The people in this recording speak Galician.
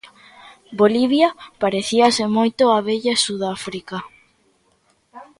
Bolivia parecíase moito á vella Sudáfrica.